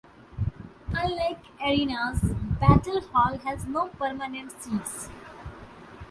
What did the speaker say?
Unlike arenas, Battelle Hall has no permanent seats.